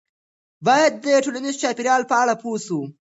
باید د ټولنیز چاپیریال په اړه پوه سو.